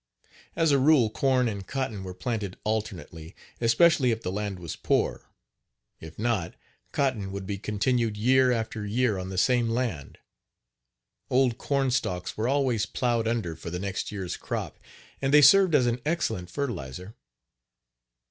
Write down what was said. As a rule corn and cotton were planted alternately, especially if the land was poor, if not, cotton would be continued year after year on the same land. Old corn stalks were always plowed under for the next year's crop and they served as an excellent fertilizer.